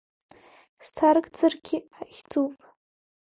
Сҭаркӡаргьы хьӡуп.